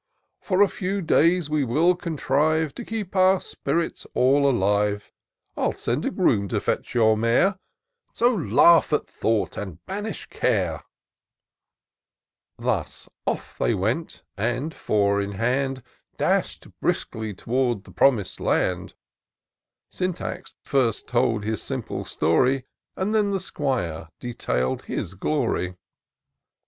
For a few days we will contrive To keep our spirits all alive : 111 send a groom to fetch your mare, So laugh at thought and banish care." Thus oflf they went — and four in hand, Dash'd briskly towards the promis'd land : 230 TOUR OF DOCTOR SYNTAX Syntax first told his simple story. And then the 'Squire detail'd his gloiy.